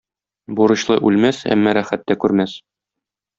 Бурычлы үлмәс, әмма рәхәт тә күрмәс.